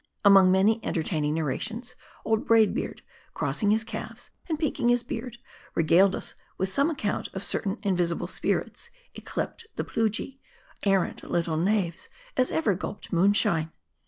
Among many entertaining narrations, old Braid Beard, crossing his calves, and peaking his beard, regaled us with some account of certain invisible spirits, ycleped the Plujii, arrant little knaves as ever gulped moonshine.